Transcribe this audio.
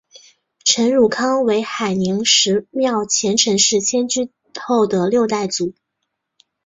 陈汝康为海宁十庙前陈氏迁居后的六代祖。